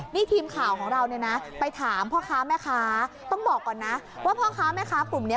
นี่ทีมข่าวของเราเนี่ยนะไปถามพ่อค้าแม่ค้าต้องบอกก่อนนะว่าพ่อค้าแม่ค้ากลุ่มนี้